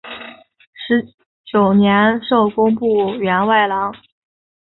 十九年授工部员外郎。